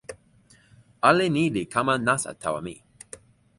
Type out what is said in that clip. ale ni li kama nasa tawa mi.